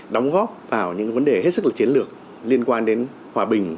đóng góp vào những vấn đề hết sức là chiến lược liên quan đến hòa bình